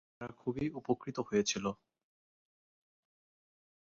এর ফলে কৃষকেরা খুবই উপকৃত হয়েছিল।